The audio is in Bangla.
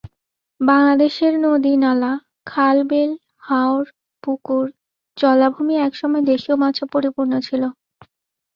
বাংলাদেশের নদী-নালা, খাল-বিল, হাওর, পুকুর, জলাভূমি একসময় দেশীয় মাছে পরিপূর্ণ ছিল।